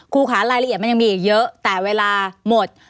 ค่ะรายละเอียดมันยังมีอีกเยอะแต่เวลาหมด